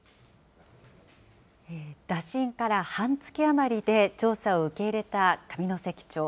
打診から半月余りで調査を受け入れた上関町。